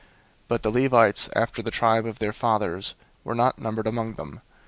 001:047 But the Levites after the tribe of their fathers were not numbered among them.